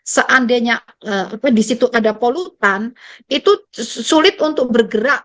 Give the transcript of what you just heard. seandainya di situ ada polutan itu sulit untuk bergerak